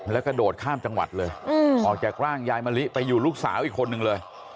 แล้วกระโดดข้ามจังหวัดเลยออกจากร่างยายมะลิไปอยู่ลูกสาวอีกคนนึงเลย